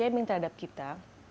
body shaming terhadap kita